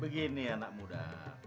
begini anak muda